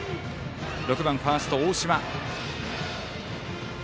６番ファースト、大島。